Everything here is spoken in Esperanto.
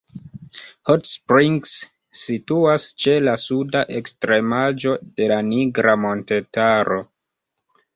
Hot Springs situas ĉe la suda ekstremaĵo de la Nigra montetaro.